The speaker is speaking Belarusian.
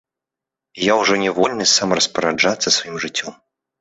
І я ўжо не вольны сам распараджацца сваім жыццём.